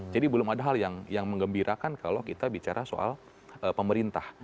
jadi belum ada hal yang mengembirakan kalau kita bicara soal pemerintah